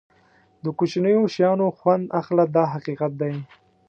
د کوچنیو شیانو خوند اخله دا حقیقت دی.